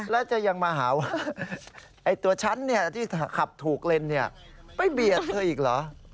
แล้วจะยังมาหาว่าไอ้ตัวฉันเนี่ยที่ขับถูกเลนเนี่ยไม่เบียดเธออีกเหรอ